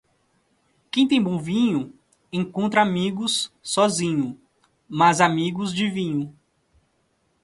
Quem tem bom vinho encontra amigos sozinho, mas amigos de vinho.